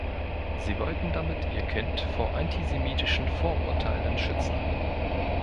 Sie wollten damit ihr Kind vor antisemitischen Vorurteilen schützen.